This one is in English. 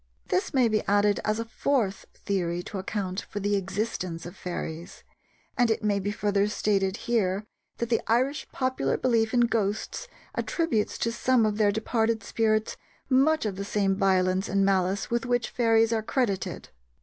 This may be added as a fourth theory to account for the existence of fairies, and it may be further stated here that the Irish popular belief in ghosts attributes to some of their departed spirits much of the same violence and malice with which fairies are credited.